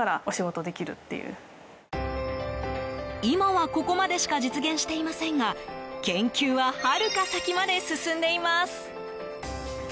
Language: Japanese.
今は、ここまでしか実現していませんが研究ははるか先まで進んでいます。